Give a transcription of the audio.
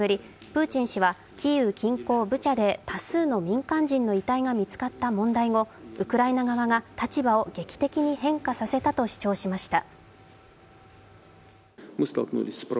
プーチン氏はキーウ近郊ブチャで多数の民間人の遺体が見つかった問題後、ウクライナ側が立場を劇的に変化させたと主張しました。